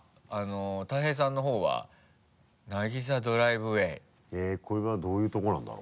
大平さんのほうは「なぎさドライブウェイ」へぇこれはどういう所なんだろう？